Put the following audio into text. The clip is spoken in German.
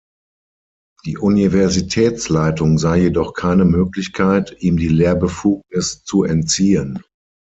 Die Universitätsleitung sah jedoch keine Möglichkeit, ihm die Lehrbefugnis zu entziehen.